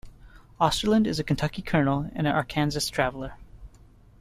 Osterlind is a Kentucky colonel and an Arkansas traveler.